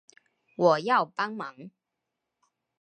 我要幫忙